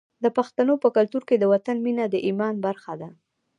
د پښتنو په کلتور کې د وطن مینه د ایمان برخه ده.